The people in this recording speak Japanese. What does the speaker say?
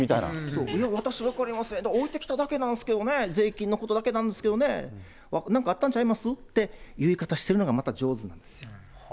そう、私分かりません、置いてきただけなんですけどね、税金のことだけなんですけどね、なんかあったんちゃいます、言い方してるのがまた上手なんです。